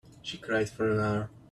She cried for an hour.